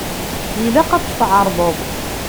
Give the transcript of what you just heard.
Ilaq ad t-tɛerḍeḍ.